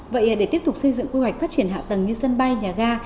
vậy để tiếp tục xây dựng quy hoạch phát triển hạ tầng như sân bay nhà ga